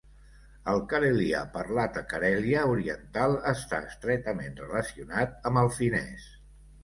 El carelià, parlat a Carèlia oriental, està estretament relacionat amb el finès.